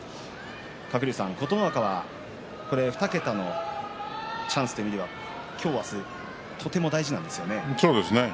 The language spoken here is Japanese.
琴ノ若２桁のチャンスというのは今日明日とても大事なんですよね。